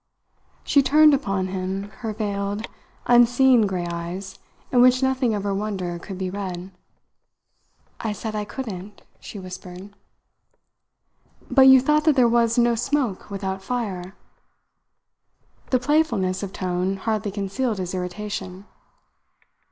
She turned upon him her veiled, unseeing grey eyes in which nothing of her wonder could be read. "I said I couldn't," she whispered. "But you thought that there was no smoke without fire!" the playfulness of tone hardly concealed his irritation.